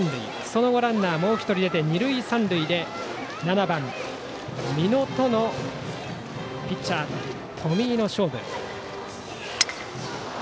その後、ランナーがもう１人出て二塁三塁で７番、美濃とピッチャー冨井の勝負。